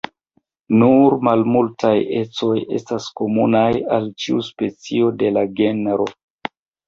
Nur malmultaj ecoj estas komunaj al ĉiu specio de la genro.